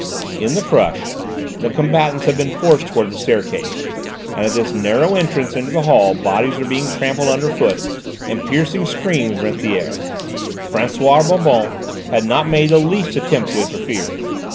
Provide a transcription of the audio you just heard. In the crush the combatants had been forced towards the staircase, and at this narrow entrance into the hall bodies were being trampled underfoot and piercing screams rent the air. François Bonbonne had not made the least attempt to interfere.